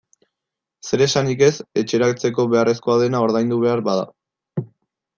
Zer esanik ez etxeratzeko beharrezkoa dena ordaindu behar bada.